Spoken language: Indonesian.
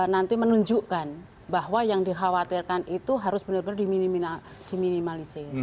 nanti menunjukkan bahwa yang dikhawatirkan itu harus benar benar diminimalisir